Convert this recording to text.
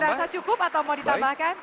terasa cukup atau mau ditambahkan